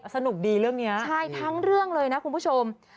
สนุกดีเรื่องนี้ใช่ทั้งเรื่องเลยนะคุณผู้ชม